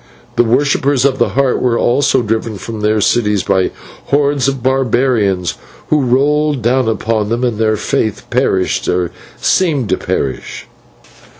The worshippers of the Heart also were driven from their cities by hordes of barbarians who rolled down upon them, and their faith perished, or seemed to perish."